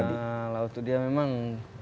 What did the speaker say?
ya laut itu dia memang